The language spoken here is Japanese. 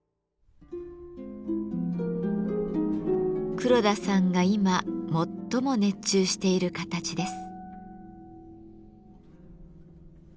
黒田さんが今最も熱中している形です。